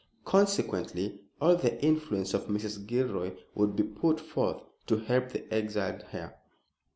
Consequently, all the influence of Mrs. Gilroy would be put forth to help the exiled heir.